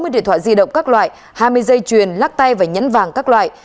sáu mươi điện thoại di động các loại hai mươi dây truyền lắc tay và nhấn vàng các loại